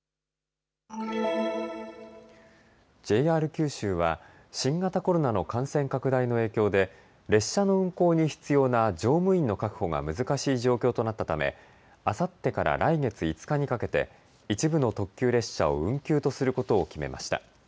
ＪＲ九州は新型コロナの感染拡大の影響で列車の運行に必要な乗務員の確保が難しい状況となったため、あさってから来月５日にかけて一部の特急列車を運休とすることを決めました。